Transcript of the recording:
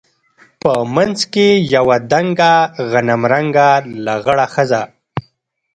په منځ کښې يوه دنګه غنم رنګه لغړه ښځه.